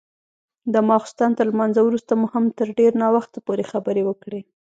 د ماخستن تر لمانځه وروسته مو هم تر ډېر ناوخته پورې خبرې وکړې.